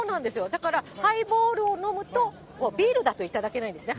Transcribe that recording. だから、ハイボールを飲むと、ビールだと頂けないんですね。